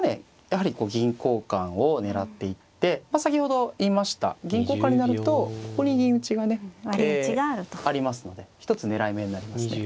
やはり銀交換を狙っていって先ほど言いました銀交換になるとここに銀打ちがねありますので一つ狙い目になりますね。